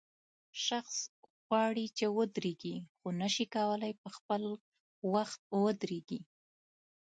شخص غواړي چې ودرېږي خو نشي کولای په خپل وخت ودرېږي.